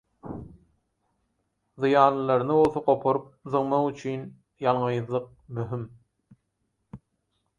zyýanlylaryny bolsa goparyp zyňmak üçin ýalňyzlyk möhüm.